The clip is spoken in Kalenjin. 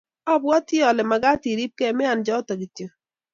abwoti alw mekat iribkei miaing, choto kityo